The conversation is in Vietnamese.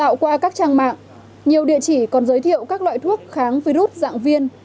tạo qua các trang mạng nhiều địa chỉ còn giới thiệu các loại thuốc kháng virus dạng viên